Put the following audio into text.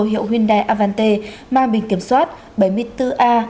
hiệu hyundai avante mang bình kiểm soát bảy mươi bốn a một nghìn bảy trăm một mươi sáu